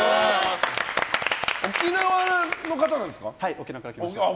沖縄の方なんですか。